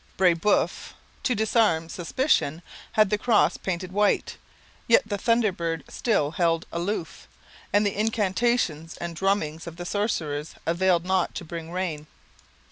Brebeuf, to disarm suspicion, had the cross painted white; yet the thunder bird still held aloof, and the incantations and drummings of the sorcerers availed not to bring rain.